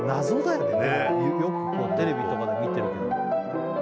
よくテレビとかで観てるけど。